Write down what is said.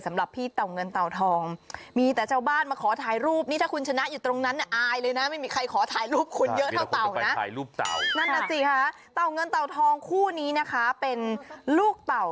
สำหรับพี่เต่าเงินเต่าทอง